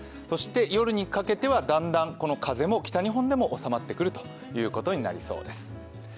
そして夜にかけてはだんだん風も北日本でも収まってくるということになりそうです。